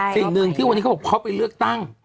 สิ่งหนึ่งที่วันนี้เขาบอกเขาไปเลือกตั้ง